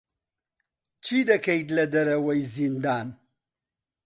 چی دەکەیت لە دەرەوەی زیندان؟